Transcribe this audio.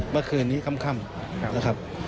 เมื่อคืนนี้ค่ำนะครับ